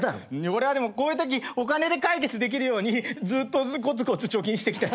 俺はでもこういうときお金で解決できるようにずっとこつこつ貯金してきた。